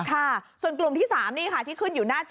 ค่ะส่วนกลุ่มที่๓นี่ค่ะที่ขึ้นอยู่หน้าจอ